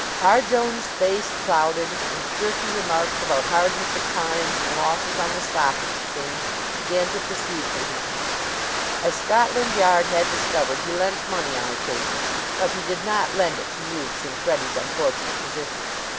R. Jones' face clouded, and jerky remarks about hardness of times and losses on the Stock Exchange began to proceed from him. As Scotland Yard had discovered, he lent money on occasion; but he did not lend it to youths in Freddie's unfortunate position.